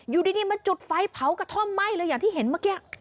อยู่ดีมาจุดไฟเผากระท่อมไหม้เลยอย่างที่เห็นเมื่อกี้